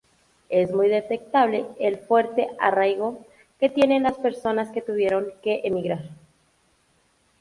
Es muy destacable el fuerte arraigo que tienen las personas que tuvieron que emigrar.